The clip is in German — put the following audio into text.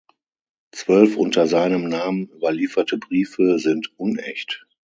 Zwölf unter seinem Namen überlieferte Briefe sind unecht.